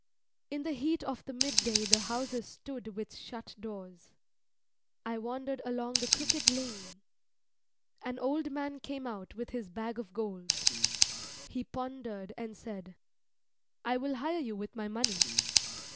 In the heat of the midday the houses stood with shut doors. I wandered along the crooked lane. An old man came out with his bag of gold. He pondered and said, "I will hire you with my money."